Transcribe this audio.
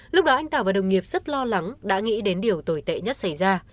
lúc đó anh tạo và đồng nghiệp rất lo lắng đã nghĩ đến điều tồi tệ nhất xảy ra